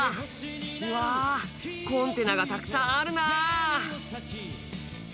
うわコンテナがたくさんあるな。